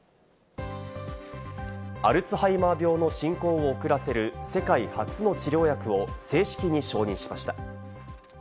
アルツハイマー病の進行を遅らせる世界初の治療薬を正式に承認しました。